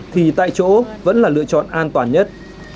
thì tại chỗ vẫn là lựa chọn an toàn nhất